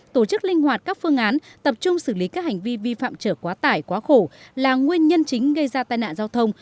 tổ chức linh hoạt các phương án tập trung xử lý các hành vi vi phạm trở quá tải quá khổ là nguyên nhân chính gây ra tai nạn giao thông